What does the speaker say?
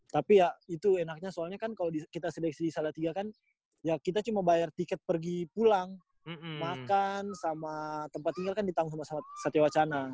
tapi ya itu enaknya soalnya kan kalau kita seleksi di salatiga kan ya kita cuma bayar tiket pergi pulang makan sama tempat tinggal kan ditanggung sama satya wacana